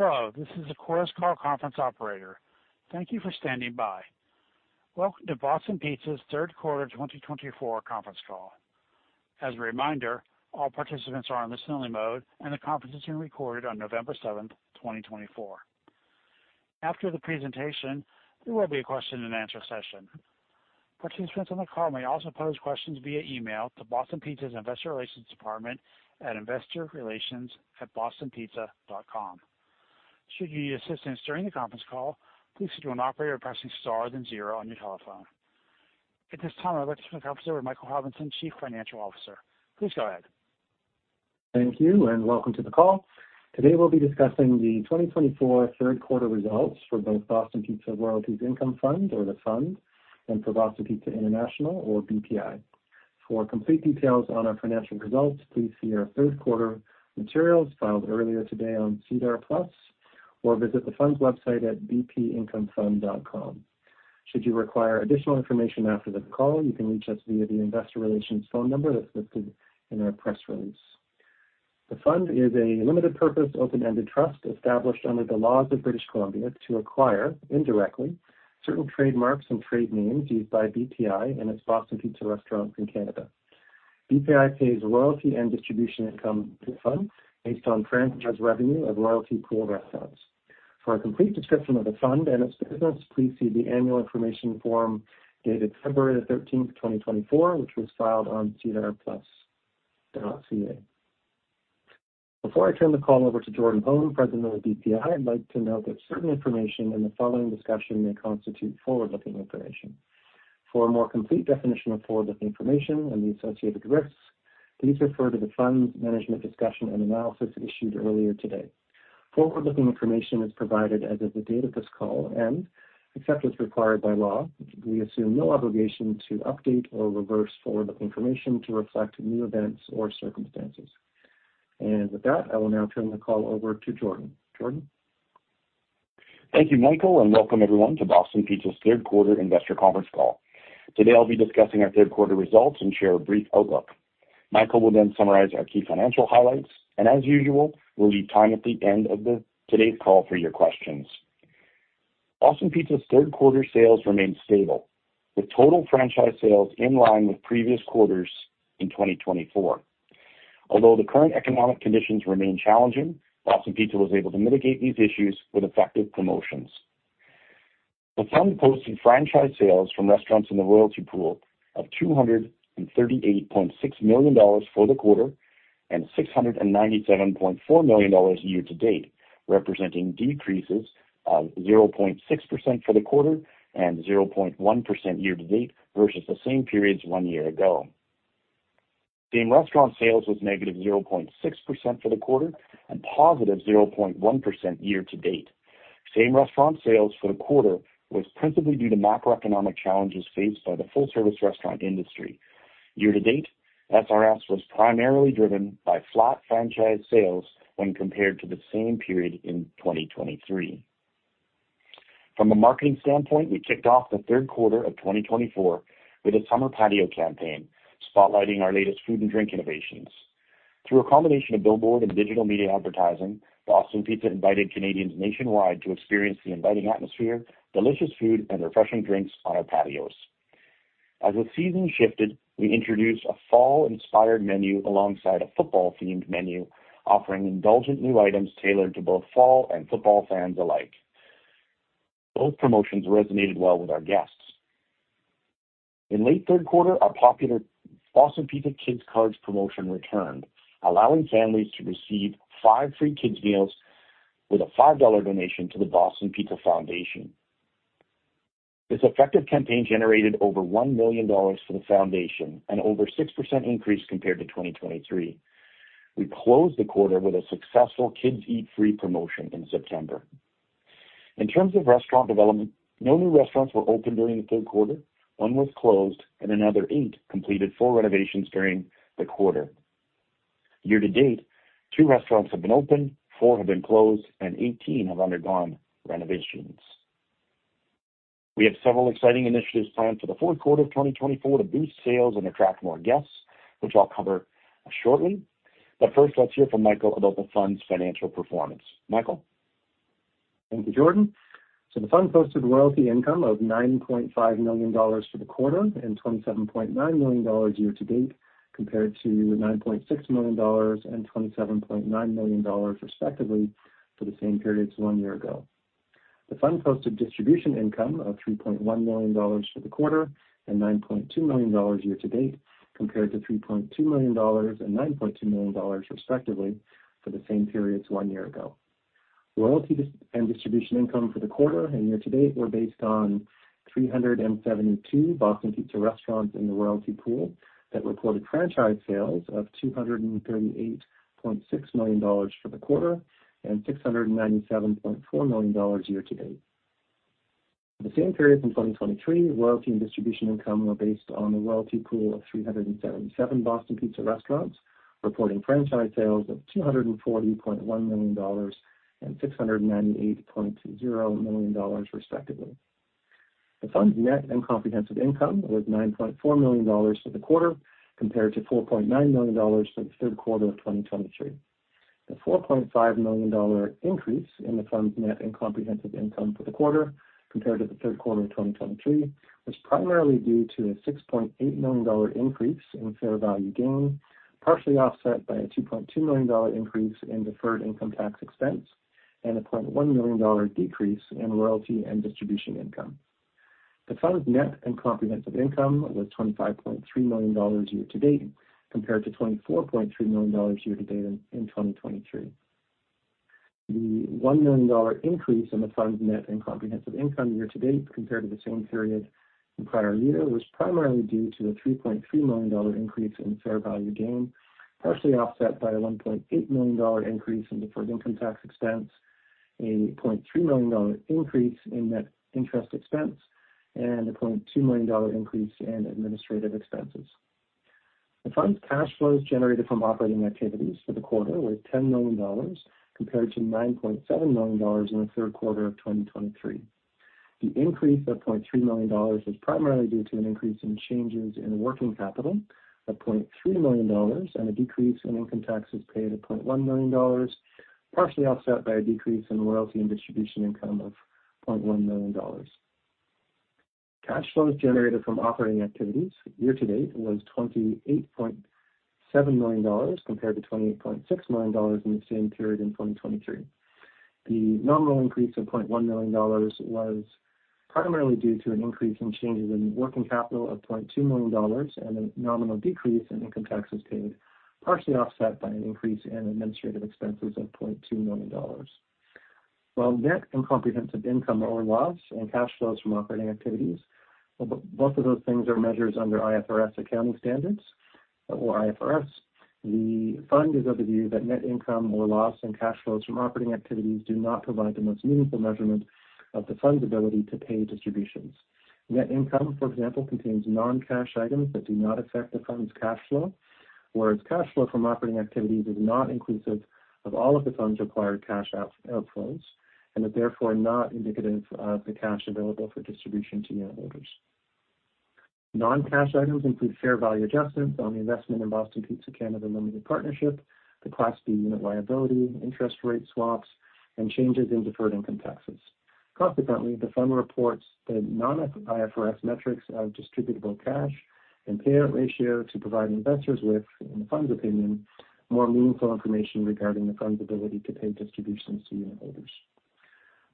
Hello, this is the conference call operator. Thank you for standing by. Welcome to Boston Pizza's third quarter 2024 conference call. As a reminder, all participants are on listen-only mode, and the conference is being recorded on November 7th, 2024. After the presentation, there will be a question-and-answer session. Participants on the call may also pose questions via email to Boston Pizza's Investor Relations Department at investorrelations@bostonpizza.com. Should you need assistance during the conference call, please signal an operator by pressing star then zero on your telephone. At this time, I'd like to turn the conference over to Michael Harbinson, Chief Financial Officer. Please go ahead. Thank you, and welcome to the call. Today, we'll be discussing the 2024 third quarter results for both Boston Pizza Royalties Income Fund, or the Fund, and for Boston Pizza International, or BPI. For complete details on our financial results, please see our third quarter materials filed earlier today on SEDAR+, or visit the Fund's website at bpincomefund.com. Should you require additional information after the call, you can reach us via the investor relations phone number that's listed in our press release. The Fund is a limited-purpose, open-ended trust established under the laws of British Columbia to acquire, indirectly, certain trademarks and trade names used by BPI and its Boston Pizza restaurants in Canada. BPI pays royalty and distribution income to the Fund based on franchise revenue of royalty pool restaurants. For a complete description of the Fund and its business, please see the annual information form dated February the 13th, 2024, which was filed on sedarplus.ca. Before I turn the call over to Jordan Holm, President of BPI, I'd like to note that certain information in the following discussion may constitute forward-looking information. For a more complete definition of forward-looking information and the associated risks, please refer to the Fund's Management's Discussion and Analysis issued earlier today. Forward-looking information is provided as of the date of this call and, except as required by law, we assume no obligation to update or reverse forward-looking information to reflect new events or circumstances. And with that, I will now turn the call over to Jordan. Jordan? Thank you, Michael, and welcome everyone to Boston Pizza's third quarter investor conference call. Today, I'll be discussing our third quarter results and share a brief outlook. Michael will then summarize our key financial highlights, and as usual, we'll leave time at the end of today's call for your questions. Boston Pizza's third quarter sales remained stable, with total franchise sales in line with previous quarters in 2024. Although the current economic conditions remain challenging, Boston Pizza was able to mitigate these issues with effective promotions. the Fund posted franchise sales from restaurants in the royalty pool of 238.6 million dollars for the quarter and 697.4 million dollars year-to-date, representing decreases of 0.6% for the quarter and 0.1% year-to-date versus the same periods one year ago. Same restaurant sales was negative 0.6% for the quarter and positive 0.1% year-to-date. Same Restaurant Sales for the quarter was principally due to macroeconomic challenges faced by the full-service restaurant industry. Year-to-date, SRS was primarily driven by flat Franchise Sales when compared to the same period in 2023. From a marketing standpoint, we kicked off the third quarter of 2024 with a summer patio campaign, spotlighting our latest food and drink innovations. Through a combination of billboard and digital media advertising, Boston Pizza invited Canadians nationwide to experience the inviting atmosphere, delicious food, and refreshing drinks on our patios. As the season shifted, we introduced a fall-inspired menu alongside a football-themed menu, offering indulgent new items tailored to both fall and football fans alike. Both promotions resonated well with our guests. In late third quarter, our popular Boston Pizza Kids Cards promotion returned, allowing families to receive five free kids' meals with a $5 donation to the Boston Pizza Foundation. This effective campaign generated over 1 million dollars for the foundation, an over six% increase compared to 2023. We closed the quarter with a successful Kids Eat Free promotion in September. In terms of restaurant development, no new restaurants were opened during the third quarter. One was closed, and another eight completed full renovations during the quarter. Year-to-date, two restaurants have been opened, four have been closed, and 18 have undergone renovations. We have several exciting initiatives planned for the fourth quarter of 2024 to boost sales and attract more guests, which I'll cover shortly. But first, let's hear from Michael about the Fund's financial performance. Michael? Thank you, Jordan. So the Fund posted royalty income of 9.5 million dollars for the quarter and 27.9 million dollars year-to-date compared to 9.6 million dollars and 27.9 million dollars respectively for the same periods one year ago. The Fund posted distribution income of 3.1 million dollars for the quarter and 9.2 million dollars year-to-date compared to 3.2 million dollars and 9.2 million dollars respectively for the same periods one year ago. Royalty and distribution income for the quarter and year-to-date were based on 372 Boston Pizza restaurants in the royalty pool that reported franchise sales of 238.6 million dollars for the quarter and 697.4 million dollars year-to-date. For the same periods in 2023, royalty and distribution income were based on the royalty pool of 377 Boston Pizza restaurants reporting franchise sales of 240.1 million dollars and 698.0 million dollars respectively. The Fund's net and comprehensive income was 9.4 million dollars for the quarter compared to 4.9 million dollars for the third quarter of 2023. The 4.5 million dollar increase in the Fund's net and comprehensive income for the quarter compared to the third quarter of 2023 was primarily due to a 6.8 million dollar increase in fair value gain, partially offset by a 2.2 million dollar increase in deferred income tax expense and a 0.1 million dollar decrease in royalty and distribution income. The Fund's net and comprehensive income was 25.3 million dollars year-to-date compared to 24.3 million dollars year-to-date in 2023. The 1 million dollar increase in the Fund's net and comprehensive income year-to-date compared to the same period in prior year was primarily due to a 3.3 million dollar increase in fair value gain, partially offset by a 1.8 million dollar increase in deferred income tax expense, a 0.3 million dollar increase in net interest expense, and a 0.2 million dollar increase in administrative expenses. The Fund's cash flows generated from operating activities for the quarter were 10 million dollars compared to 9.7 million dollars in the third quarter of 2023. The increase of 0.3 million dollars was primarily due to an increase in changes in working capital, a 0.3 million dollars, and a decrease in income taxes paid of 0.1 million dollars, partially offset by a decrease in royalty and distribution income of 0.1 million dollars. Cash flows generated from operating activities year-to-date was 28.7 million dollars compared to 28.6 million dollars in the same period in 2023. The nominal increase of 0.1 million dollars was primarily due to an increase in changes in working capital of 0.2 million dollars and a nominal decrease in income taxes paid, partially offset by an increase in administrative expenses of 0.2 million dollars. While net and comprehensive income or loss and cash flows from operating activities, both of those things are measures under IFRS accounting standards, or IFRS. The Fund is of the view that net income or loss and cash flows from operating activities do not provide the most meaningful measurement of the Fund's ability to pay distributions. Net income, for example, contains non-cash items that do not affect the Fund's cash flow, whereas cash flow from operating activities is not inclusive of all of the Fund's required cash outflows and is therefore not indicative of the cash available for distribution to unit holders. Non-cash items include fair value adjustments on the investment in Boston Pizza Canada Limited Partnership, the Class B Unit liability, interest rate swaps, and changes in deferred income taxes. Consequently, the Fund reports the non-IFRS metrics of distributable cash and payout ratio to provide investors with, in the Fund's opinion, more meaningful information regarding the Fund's ability to pay distributions to unit holders.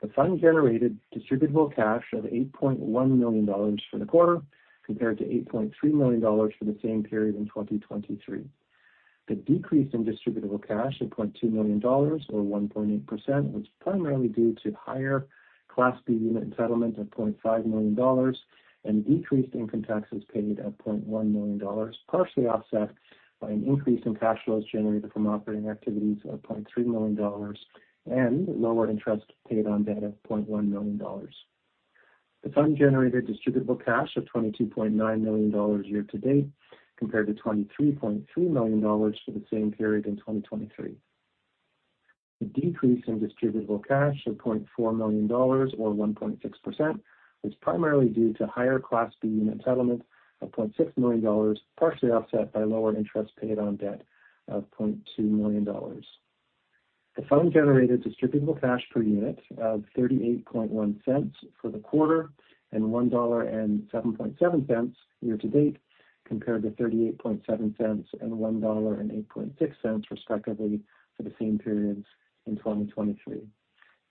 The Fund generated distributable cash of 8.1 million dollars for the quarter compared to 8.3 million dollars for the same period in 2023. The decrease in distributable cash of 0.2 million dollars, or 1.8%, was primarily due to higher Class B Unit entitlement of 0.5 million dollars and decreased income taxes paid of 0.1 million dollars, partially offset by an increase in cash flows generated from operating activities of 0.3 million dollars and lower interest paid on debt of 0.1 million dollars. The Fund generated distributable cash of 22.9 million dollars year-to-date compared to 23.3 million dollars for the same period in 2023. The decrease in distributable cash of 0.4 million dollars, or 1.6%, was primarily due to higher Class B Unit entitlement of 0.6 million dollars, partially offset by lower interest paid on debt of 0.2 million dollars. The Fund generated distributable cash per unit of 0.3814 for the quarter and 1.077 dollar year-to-date compared to 0.3874 and 1.0864 dollar respectively for the same periods in 2023.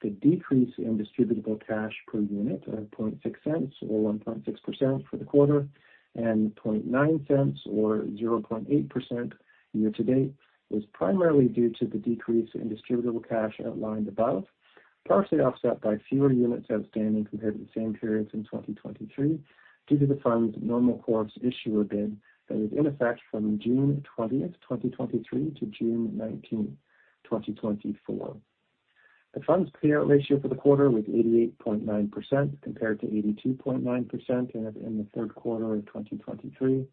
The decrease in distributable cash per unit of 0.06, or 1.6%, for the quarter and 0.09, or 0.8%, year-to-date was primarily due to the decrease in distributable cash outlined above, partially offset by fewer units outstanding compared to the same periods in 2023 due to the Fund's normal course issuer bid that was in effect from June 20th, 2023, to June 19th, 2024. The Fund's payout ratio for the quarter was 88.9% compared to 82.9% in the third quarter of 2023.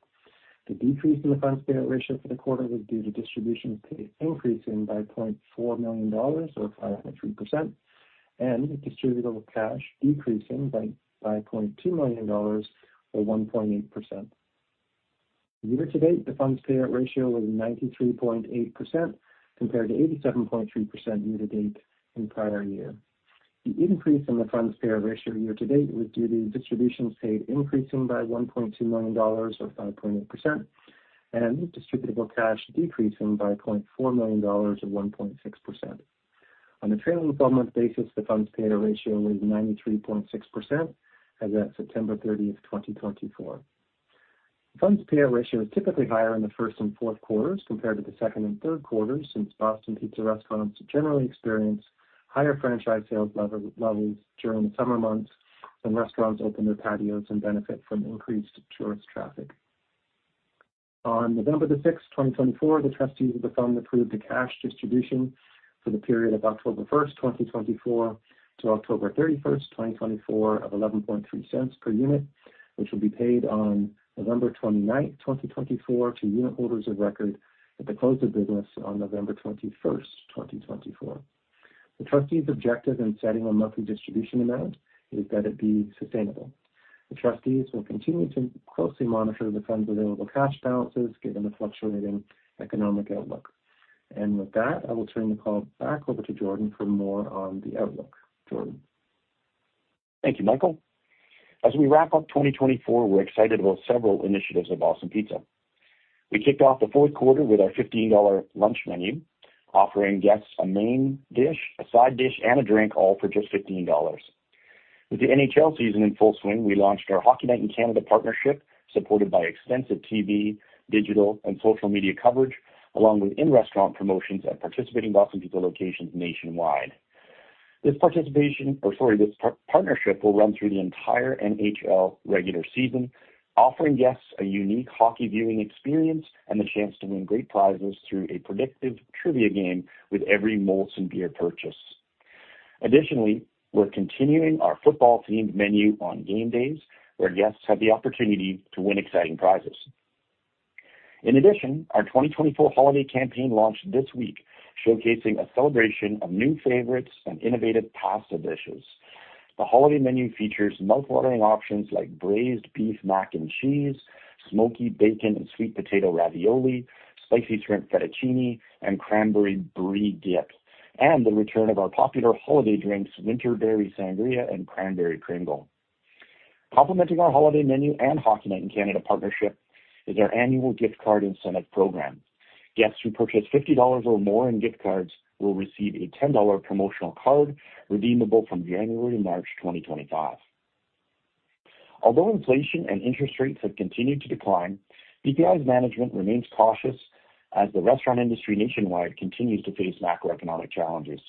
The decrease in the Fund's payout ratio for the quarter was due to distributions increasing by 0.4 million dollars, or 5.3%, and distributable cash decreasing by 0.2 million dollars, or 1.8%. Year-to-date, the Fund's payout ratio was 93.8% compared to 87.3% year-to-date in prior year. The increase in the Fund's payout ratio year-to-date was due to distributions paid increasing by 1.2 million dollars, or 5.8%, and distributable cash decreasing by 0.4 million dollars, or 1.6%. On a trailing 12-month basis, the Fund's payout ratio was 93.6% as of September 30th, 2024. The Fund's payout ratio is typically higher in the first and fourth quarters compared to the second and third quarters since Boston Pizza restaurants generally experience higher franchise sales levels during the summer months when restaurants open their patios and benefit from increased tourist traffic. On November the 6th, 2024, the trustees of the Fund approved a cash distribution for the period of October 1st, 2024, to October 31st, 2024, of 11.30 per unit, which will be paid on November 29th, 2024, to unit holders of record at the close of business on November 21st, 2024. The trustees' objective in setting a monthly distribution amount is that it be sustainable. The trustees will continue to closely monitor the Fund's available cash balances given the fluctuating economic outlook. And with that, I will turn the call back over to Jordan for more on the outlook. Jordan. Thank you, Michael. As we wrap up 2024, we're excited about several initiatives at Boston Pizza. We kicked off the fourth quarter with our 15 dollar lunch menu, offering guests a main dish, a side dish, and a drink, all for just 15 dollars. With the NHL season in full swing, we launched our Hockey Night in Canada partnership, supported by extensive TV, digital, and social media coverage, along with in-restaurant promotions at participating Boston Pizza locations nationwide. This participation, or sorry, this partnership will run through the entire NHL regular season, offering guests a unique hockey viewing experience and the chance to win great prizes through a predictive trivia game with every Molson beer purchase. Additionally, we're continuing our football-themed menu on game days, where guests have the opportunity to win exciting prizes. In addition, our 2024 holiday campaign launched this week, showcasing a celebration of new favorites and innovative pasta dishes. The holiday menu features mouthwatering options like Braised Beef Mac and Cheese, Smoky Bacon and Sweet Potato Ravioli, Spicy Shrimp Fettuccine, and Cranberry Brie Dip, and the return of our popular holiday drinks, Winter Berry Sangria and Cranberry Kringle. Complementing our holiday menu and Hockey Night in Canada partnership is our annual gift card incentive program. Guests who purchase 50 dollars or more in gift cards will receive a 10 dollar promotional card redeemable from January to March 2025. Although inflation and interest rates have continued to decline, BPI's management remains cautious as the restaurant industry nationwide continues to face macroeconomic challenges.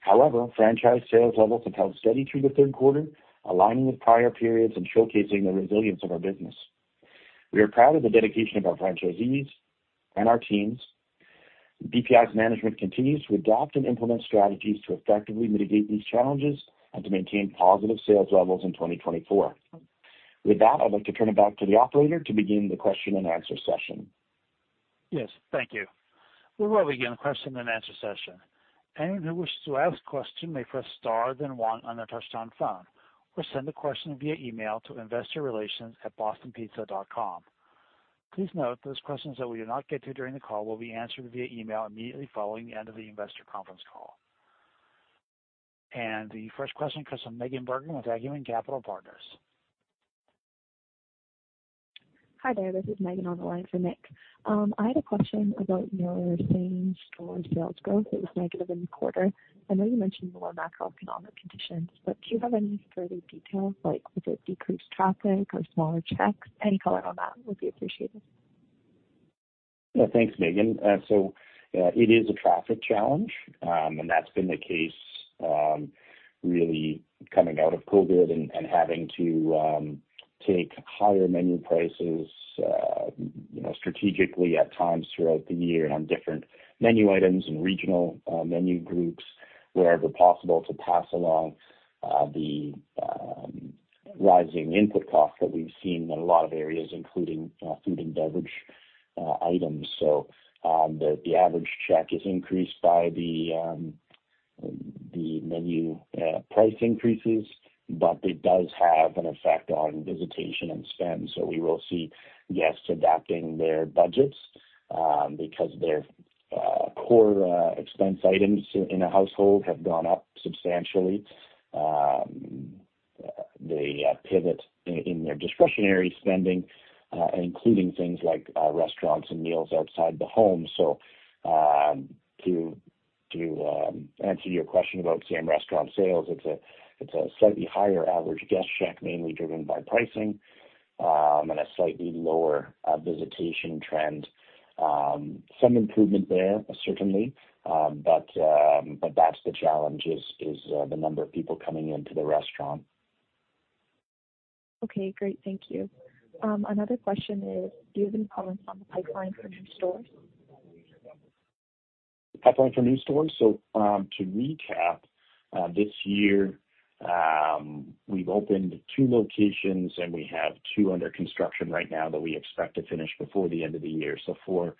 However, franchise sales levels have held steady through the third quarter, aligning with prior periods and showcasing the resilience of our business. We are proud of the dedication of our franchisees and our teams. BPI's management continues to adopt and implement strategies to effectively mitigate these challenges and to maintain positive sales levels in 2024. With that, I'd like to turn it back to the operator to begin the question and answer session. Yes, thank you. We'll reopen the question and answer session. Anyone who wishes to ask a question may press star then one on their touch-tone phone or send the question via email to investorrelations@bostonpizza.com. Please note those questions that we do not get to during the call will be answered via email immediately following the end of the investor conference call, and the first question comes from Megan Bergen with Acumen Capital Partners. Hi there, this is Megan on the line for Nick. I had a question about your same store sales growth. It was negative in the quarter. I know you mentioned more macroeconomic conditions, but do you have any further details, like was it decreased traffic or smaller checks? Any color on that would be appreciated. Yeah, thanks, Megan. So it is a traffic challenge, and that's been the case really coming out of COVID and having to take higher menu prices strategically at times throughout the year on different menu items and regional menu groups wherever possible to pass along the rising input costs that we've seen in a lot of areas, including food and beverage items. So the average check is increased by the menu price increases, but it does have an effect on visitation and spend. So we will see guests adapting their budgets because their core expense items in a household have gone up substantially. They pivot in their discretionary spending, including things like restaurants and meals outside the home. So to answer your question about same restaurant sales, it's a slightly higher average guest check, mainly driven by pricing and a slightly lower visitation trend. Some improvement there, certainly, but that's the challenge, is the number of people coming into the restaurant. Okay, great. Thank you. Another question is, do you have any comments on the pipeline for new stores? Pipeline for new stores? So to recap, this year we've opened two locations, and we have two under construction right now that we expect to finish before the end of the year. So four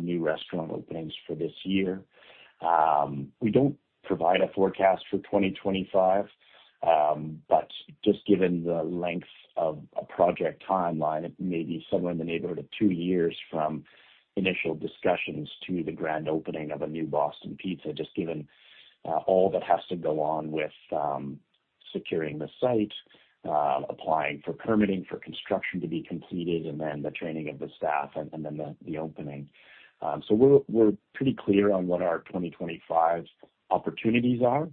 new restaurant openings for this year. We don't provide a forecast for 2025, but just given the length of a project timeline, it may be somewhere in the neighborhood of two years from initial discussions to the grand opening of a new Boston Pizza, just given all that has to go on with securing the site, applying for permitting for construction to be completed, and then the training of the staff, and then the opening. So we're pretty clear on what our 2025 opportunities are,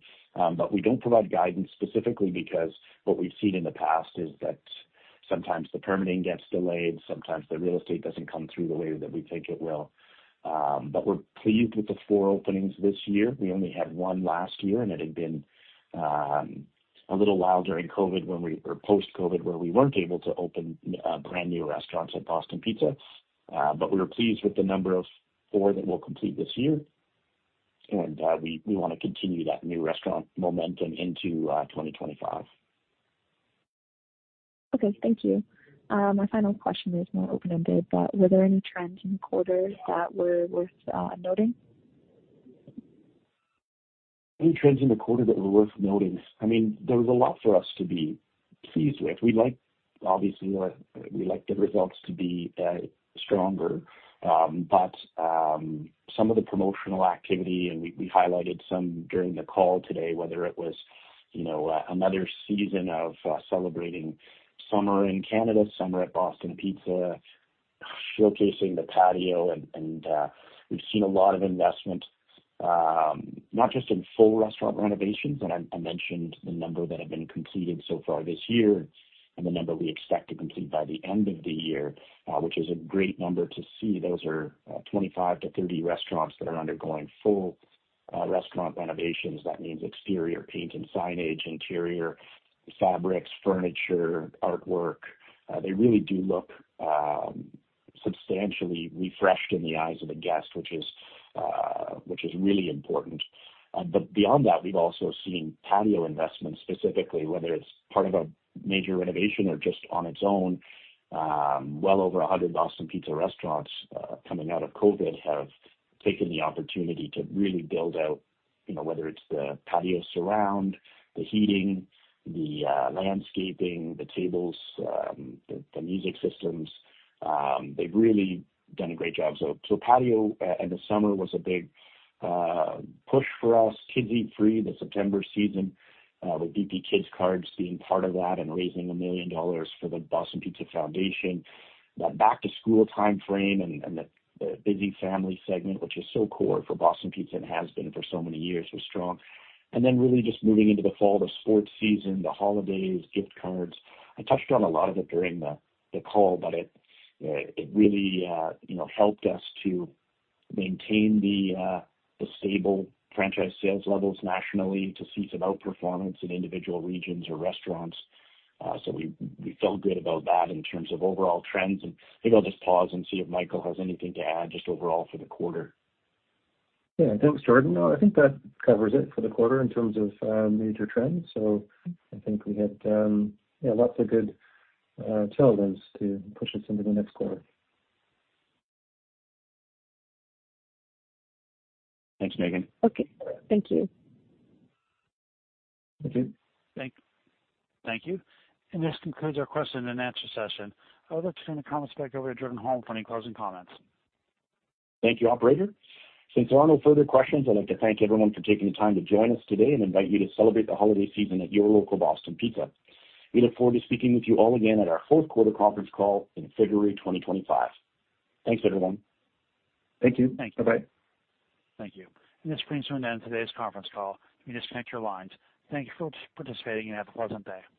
but we don't provide guidance specifically because what we've seen in the past is that sometimes the permitting gets delayed, sometimes the real estate doesn't come through the way that we think it will. But we're pleased with the four openings this year. We only had one last year, and it had been a little while during COVID when we were post-COVID where we weren't able to open brand new restaurants at Boston Pizza. But we were pleased with the number of four that we'll complete this year, and we want to continue that new restaurant momentum into 2025. Okay, thank you. My final question is more open-ended, but were there any trends in the quarter that were worth noting? Any trends in the quarter that were worth noting? I mean, there was a lot for us to be pleased with. We like, obviously, we like the results to be stronger, but some of the promotional activity, and we highlighted some during the call today, whether it was another season of celebrating summer in Canada, summer at Boston Pizza, showcasing the patio, and we've seen a lot of investment, not just in full restaurant renovations, and I mentioned the number that have been completed so far this year and the number we expect to complete by the end of the year, which is a great number to see. Those are 25-30 restaurants that are undergoing full restaurant renovations. That means exterior paint and signage, interior fabrics, furniture, artwork. They really do look substantially refreshed in the eyes of the guest, which is really important. But beyond that, we've also seen patio investment specifically, whether it's part of a major renovation or just on its own. Well over 100 Boston Pizza restaurants coming out of COVID have taken the opportunity to really build out, whether it's the patio surround, the heating, the landscaping, the tables, the music systems. They've really done a great job. So patio in the summer was a big push for us. Kids Eat Free, the September season, with BP Kids Cards being part of that and raising 1 million dollars for the Boston Pizza Foundation. That back-to-school timeframe and the busy family segment, which is so core for Boston Pizza and has been for so many years, was strong. And then really just moving into the fall, the sports season, the holidays, gift cards. I touched on a lot of it during the call, but it really helped us to maintain the stable franchise sales levels nationally to see some outperformance in individual regions or restaurants, so we felt good about that in terms of overall trends, and maybe I'll just pause and see if Michael has anything to add just overall for the quarter. Yeah, thanks, Jordan. I think that covers it for the quarter in terms of major trends. So I think we had, yeah, lots of good tailwinds to push us into the next quarter. Thanks, Megan. Okay, thank you. Thank you. Thank you. And this concludes our question and answer session. I would like to turn the conference back over to Jordan Holm for any closing comments. Thank you, operator. Since there are no further questions, I'd like to thank everyone for taking the time to join us today and invite you to celebrate the holiday season at your local Boston Pizza. We look forward to speaking with you all again at our fourth quarter conference call in February 2025. Thanks, everyone. Thank you. Thanks. Bye-bye. Thank you. And this brings us to the end of today's conference call. You may disconnect your lines. Thank you for participating and have a pleasant day.